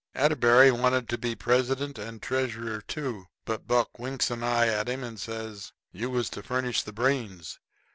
Atterbury wanted to be president and treasurer too, but Buck winks an eye at him and says: "You was to furnish the brains.